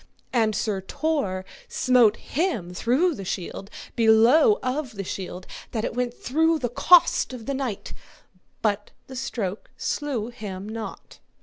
And Sir Tor smote him through the shield below of the shield that it went through the cost of the knight, but the stroke slew him not.